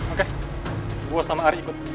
oke gue sama ari ikut